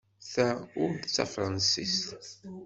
Ta ur d tafṛensist.